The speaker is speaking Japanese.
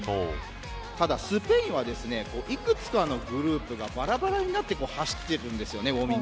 ただスペインはいくつかのグループがばらばらになって走っているんです。